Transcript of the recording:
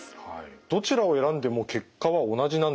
どちらを選んでも結果は同じなんでしょうか？